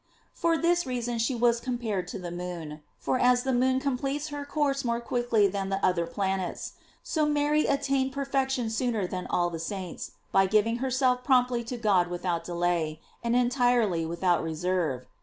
"t For this reason she was compared to the moon; for as the moon completes her course more quickly than the other planets, so Mary attained perfection soon er than all the saints, by giving herself promptly to God without delay; and entirely without re ierve.